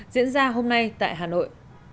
diễn ra hôm nay tại hà nội